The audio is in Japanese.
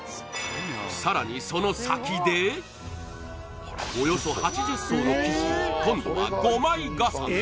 さらにその先でおよそ８０層の生地を今度は５枚重ね